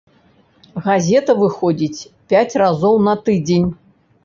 Газета выходзіць пяць разоў на тыдзень.